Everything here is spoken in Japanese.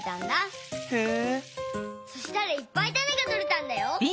そしたらいっぱいタネがとれたんだよ。